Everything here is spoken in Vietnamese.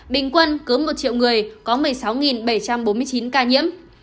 bình quân cứ một triệu người có một mươi sáu bảy trăm bốn mươi chín ca nhiễm